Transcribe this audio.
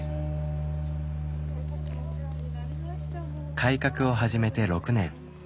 改革を始めて６年。